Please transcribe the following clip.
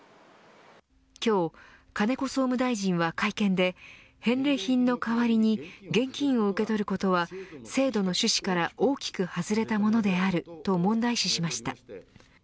今日、金子総務大臣は会見で返礼品の代わりに現金を受け取ることは制度の趣旨から大きく外れたものであると問題視しました。